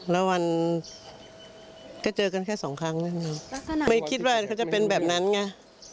แล้ววันก็เจอกันแค่สองครั้งลักษณะไม่คิดว่าเขาจะเป็นแบบนั้นไง